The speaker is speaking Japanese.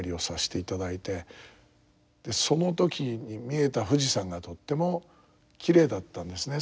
その時に見えた富士山がとってもきれいだったんですね